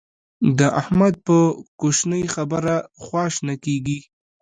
د احمد په کوشنۍ خبره خوا شنه کېږي.